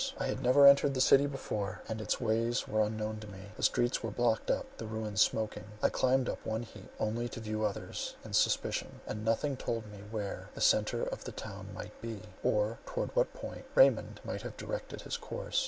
I had never entered the city before, and its ways were unknown to me. The streets were blocked up, the ruins smoking; I climbed up one heap, only to view others in succession; and nothing told me where the centre of the town might be, or towards what point Raymond might have directed his course.